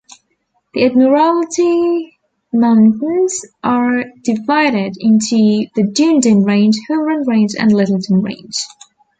The Admiralty Mountains are divided into the Dunedin Range, Homerun Range, and Lyttelton Range.